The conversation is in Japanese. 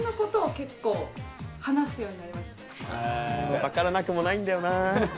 分からなくもないんだよな。